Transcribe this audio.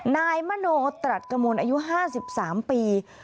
นายมโนตรัสกมลอายุ๕๓ปี